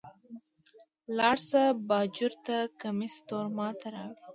لاړ شه باجوړ ته کمیس تور ما ته راوړئ.